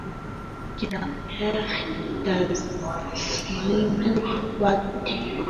Kiberber karibu wote wanafuata dini ya Uislamu